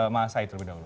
maasai terlebih dahulu